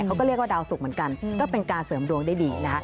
เขาก็เรียกว่าดาวสุกเหมือนกันก็เป็นการเสริมดวงได้ดีนะคะ